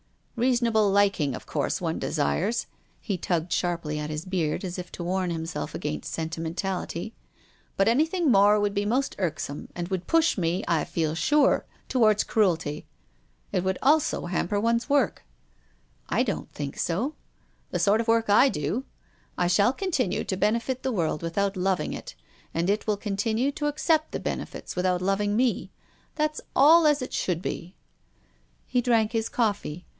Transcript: Reasonable liking, of course, one desires," he tugged sharply at his beard, as if to warn himself against sentimen tality, —" but anything more would be most irk «?ome, and would push me, I feel sure, towards cruelty. It would also hamper one's work." " I don't think so." " The sort of work I do. I shall continue to PROFESSOR GUILDEA. 279 benefit the world without loving it, and it will continue to accept the benefits without loving me. That's all as it should be." He drank his coffee.